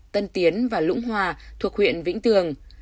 tân tiến và lũng hòa thuộc huyện vĩnh tường